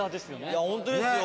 いやホントですよ。